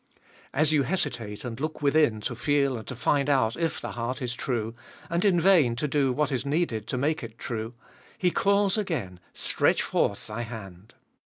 As you hesitate, and look within to feel and to find out if the heart is true, and in vain to do what is needed to make it true, He calls again, Stretch forth thy hand.